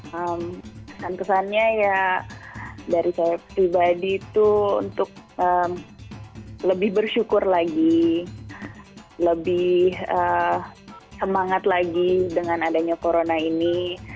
kesan kesannya ya dari saya pribadi tuh untuk lebih bersyukur lagi lebih semangat lagi dengan adanya corona ini